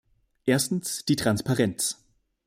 Erstens, die Transparenz.